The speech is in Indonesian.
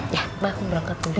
ya ya aku berangkat dulu